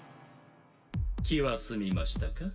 気は済みましたか？